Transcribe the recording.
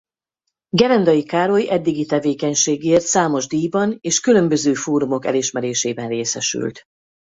Gerendai Károly eddigi tevékenységéért számos díjban és különböző fórumok elismerésében részesült.